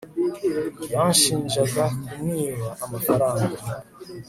yanshinjaga kumwiba amafaranga